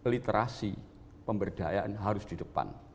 literasi pemberdayaan harus di depan